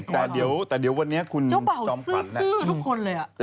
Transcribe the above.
เจ้าเบ่าซื้อทุกคนเลยอะ